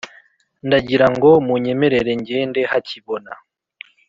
ndagira ngo munyemerere ngende hakibona